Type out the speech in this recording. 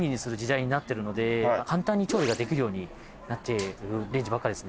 簡単に調理ができるようになっているレンジばっかですね。